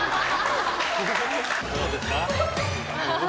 どうですか？